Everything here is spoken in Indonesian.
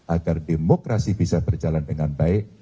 agar demokrasi bisa berjalan dengan baik